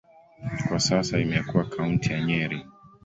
Kwa sasa imekuwa kaunti ya Nyeri.